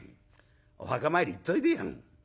お墓参り行っといでよ」。